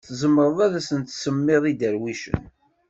Tzemreḍ ad asen-tsemmiḍ iderwicen.